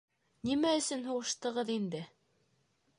Нимә өсөн һуғыштығыҙ инде?